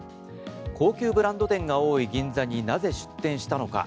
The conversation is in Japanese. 高級ブランド店が多い銀座になぜ出店したのか。